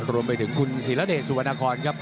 รวมไปถึงคุณศิรเดชสุวรรณครครับ